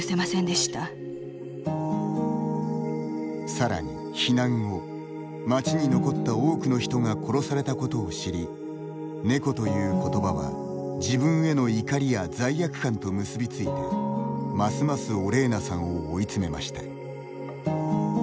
さらに避難後、町に残った多くの人が殺されたことを知り猫という言葉は自分への怒りや罪悪感と結びついてますますオレーナさんを追い詰めました。